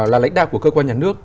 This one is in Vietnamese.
là lãnh đạo của cơ quan nhà nước